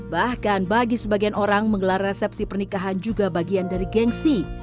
bahkan bagi sebagian orang menggelar resepsi pernikahan juga bagian dari gengsi